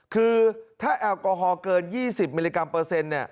คือถ้าแอลกอฮอลเกิน๒๐มิลลิกรัมเปอร์เซ็นต์